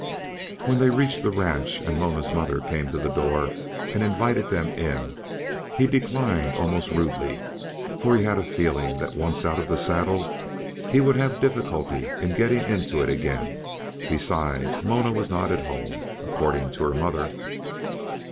When they reached the ranch and Mona's mother came to the door and invited them in, he declined almost rudely, for he had a feeling that once out of the saddle he would have difficulty in getting into it again. Besides, Mona was not at home, according to her mother.